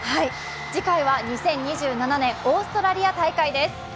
次回は２０２７年、オーストラリア大会です。